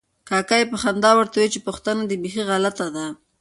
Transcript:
کاکا یې په خندا ورته وویل چې پوښتنه دې بیخي غلطه ده.